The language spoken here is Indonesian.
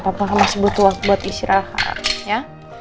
papa akan masih butuh waktu buat istirahat ya